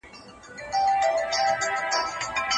ټولنیز عدالت د ټولنپوهنې مهم بحث دی.